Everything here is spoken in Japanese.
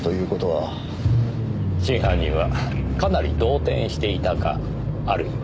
真犯人はかなり動転していたかあるいは。